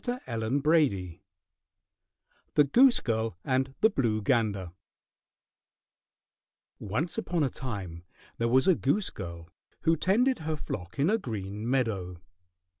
CHAPTER IX THE GOOSE GIRL AND THE BLUE GANDER Once upon a time there was a goose girl who tended her flock in a green meadow.